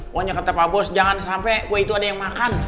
pokoknya kata pak bos jangan sampai kue itu ada yang makan